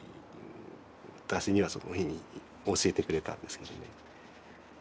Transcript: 私にはそういうふうに教えてくれたんですけどね。